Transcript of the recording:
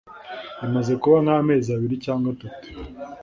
imaze kuba nk'amezi abiri cyangwa atatu